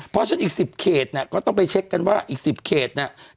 เพราะฉะนั้นอีก๑๐เขตเนี่ยก็ต้องไปเช็คกันว่าอีก๑๐เขตเนี่ย